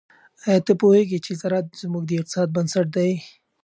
آیا ته پوهیږې چې زراعت زموږ د اقتصاد بنسټ دی؟